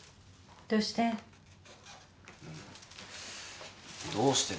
どうして？